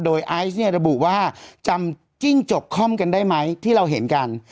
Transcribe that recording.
โดยไอซ์เนี่ยระบุว่าจำจิ้งจกค่อมกันได้ไหมที่เราเห็นกัน